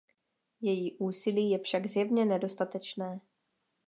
Její úsilí je však zjevně nedostatečné.